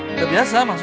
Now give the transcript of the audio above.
nggak biasa mas